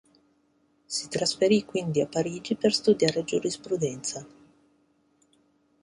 Si trasferì quindi a Parigi per studiare giurisprudenza.